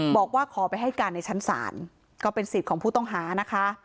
บอกว่าขอไปให้การในชั้นศาลก็เป็นสิทธิ์ของผู้ต้องหานะคะ